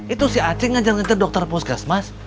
itu si aceh ngajarin dokter posgasmas